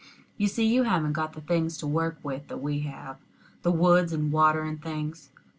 You see, you haven't got the things to work with that we have the woods and water and things.